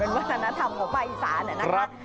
มอลำคลายเสียงมาแล้วมอลำคลายเสียงมาแล้ว